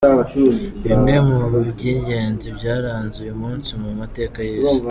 Bimwe mu by’ingenzi byaranze uyu munsi mu mateka y’isi:.